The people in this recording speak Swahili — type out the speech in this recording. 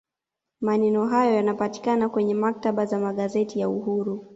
maneno hayo yanapatikana kwenye maktaba za magazeti ya uhuru